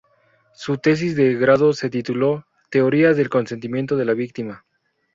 Su tesis de grado se tituló "Teoría del Consentimiento de la Víctima".